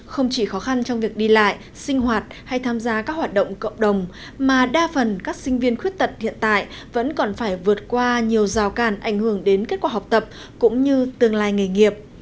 không chỉ khó khăn trong việc đi lại sinh hoạt hay tham gia các hoạt động cộng đồng mà đa phần các sinh viên khuyết tật hiện tại vẫn còn phải vượt qua nhiều rào càn ảnh hưởng đến kết quả học tập cũng như tương lai nghề nghiệp